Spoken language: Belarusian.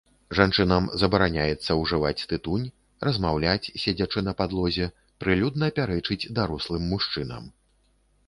Жанчынам забараняецца ўжываць тытунь, размаўляць, седзячы на падлозе, прылюдна пярэчыць дарослым мужчынам.